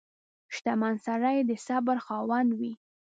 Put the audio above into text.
• شتمن سړی د صبر خاوند وي.